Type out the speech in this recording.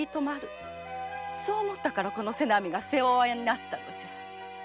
そう思ったからこの瀬波が世話親になったのじゃ。